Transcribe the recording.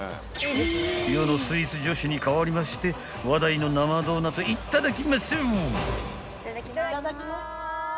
［世のスイーツ女子に代わりまして話題の生ドーナツいただきます！］